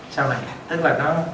sau này tức là nó